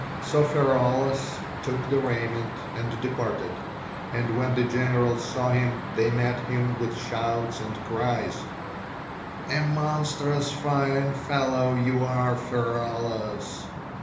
So Pheraulas took the raiment and departed, and when the generals saw him, they met him with shouts and cries, "A monstrous fine fellow you are, Pheraulas!"